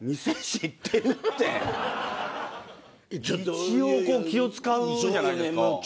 一応気を使うじゃないですか。